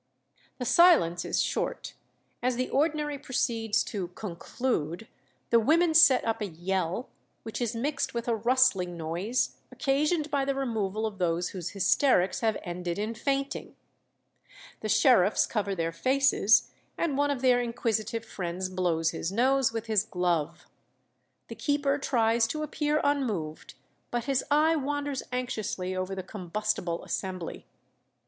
"The silence is short. As the ordinary proceeds 'to conclude,' the women set up a yell, which is mixed with a rustling noise, occasioned by the removal of those whose hysterics have ended in fainting. The sheriffs cover their faces, and one of their inquisitive friends blows his nose with his glove. The keeper tries to appear unmoved, but his eye wanders anxiously over the combustible assembly.